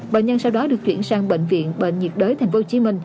bệnh nhân sau đó được chuyển sang bệnh viện bệnh nhiệt đới tp hcm